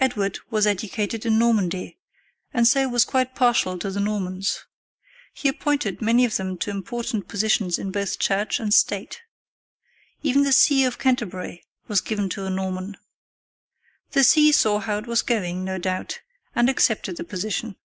Edward was educated in Normandy, and so was quite partial to the Normans. He appointed many of them to important positions in both church and state. Even the See of Canterbury was given to a Norman. The See saw how it was going, no doubt, and accepted the position.